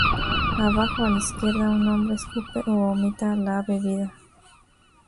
Abajo, a la izquierda, un hombre escupe o vomita la bebida.